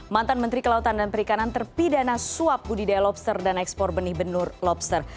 mantan menteri kelautan dan perikanan terpidana suap budidaya lobster dan ekspor benih benur lobster